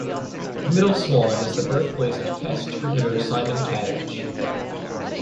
Middle Swan is the birthplace of Test cricketer Simon Katich.